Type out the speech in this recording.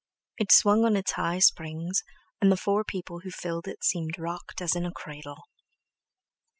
It swung on its high springs, and the four people who filled it seemed rocked as in a cradle.